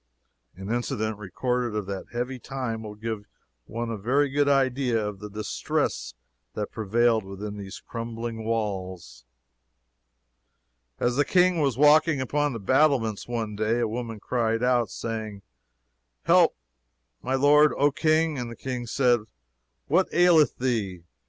An incident recorded of that heavy time will give one a very good idea of the distress that prevailed within these crumbling walls. As the King was walking upon the battlements one day, "a woman cried out, saying, Help, my lord, O King! And the King said, What aileth thee?